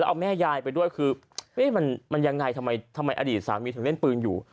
เอาแม่ยายไปด้วยคือมันยังไงทำไมอดีตสามีถึงเล่นปืนอยู่